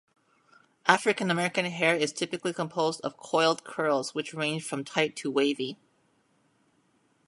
African-American hair is typically composed of coiled curls, which range from tight to wavy.